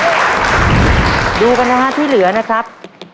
มาดูโบนัสที่เหลือนะครับ